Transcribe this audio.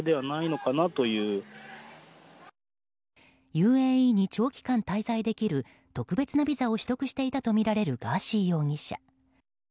ＵＡＥに長期間滞在できる特別なビザを取得していたとみられるガーシー容疑者。